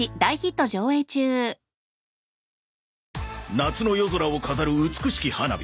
夏の夜空を飾る美しき花火